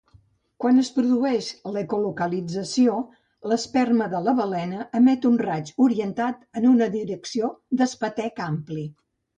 Quan es produeix l'ecolocalització, l'esperma de la balena emet un raig orientat en una direcció d'espetec ampli.